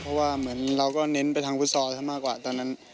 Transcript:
เพราะว่าเหมือนเราก็เน้นไปทางฟุตซอลซะมากกว่าตอนนั้น